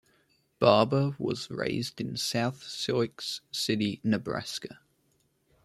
Barber was raised in South Sioux City, Nebraska.